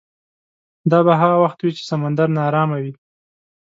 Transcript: دا به هغه وخت وي چې سمندر ناارامه وي.